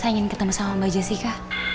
saya ingin ketemu sama mbak jessica